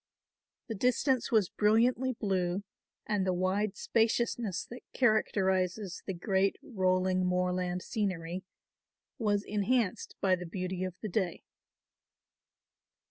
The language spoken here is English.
The distance was brilliantly blue and the wide spaciousness that characterises the great rolling moorland scenery was enhanced by the beauty of the day.